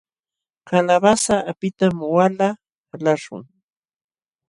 Kalawasa apitam wala qalaśhun.